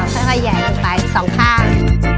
ทาแย่ลงไป๒ข้าง